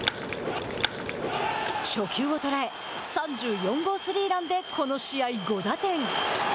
初球を捉え３４号スリーランでこの試合５打点。